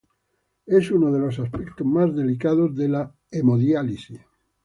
Es uno de los aspectos más delicados de la hemodiálisis.